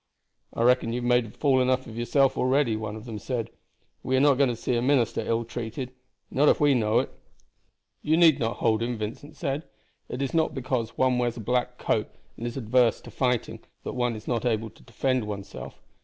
"I reckon you have made a fool enough of yourself already," one of them said; "and we are not going to see a minister ill treated, not if we know it." "You need not hold him," Vincent said. "It is not because one wears a black coat and is adverse to fighting that one is not able to defend one's self.